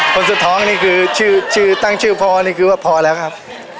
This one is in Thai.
คนสุดท้องนี่คือชื่อตั้งชื่อพอนี่คือว่าพอแล้วครับ